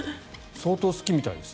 相当好きみたいです。